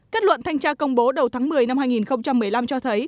kết luận thanh tra công bố đầu tháng một mươi năm hai nghìn một mươi năm cho thấy